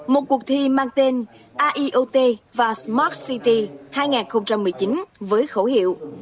một cuộc thi mang tên aiot và smart city hai nghìn một mươi chín với khẩu hiệu